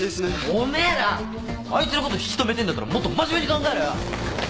お前らあいつのこと引き留めてえんだったらもっとまじめに考えろよ！